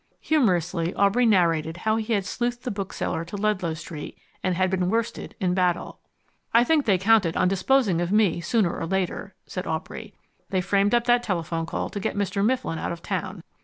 Humourously, Aubrey narrated how he had sleuthed the bookseller to Ludlow Street, and had been worsted in battle. "I think they counted on disposing of me sooner or later," said Aubrey. "They framed up that telephone call to get Mr. Mifflin out of town.